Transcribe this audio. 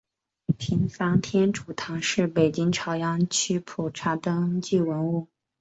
平房天主堂是北京市朝阳区普查登记文物。